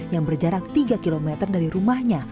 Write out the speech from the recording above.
yang berjarak tiga km dari rumahnya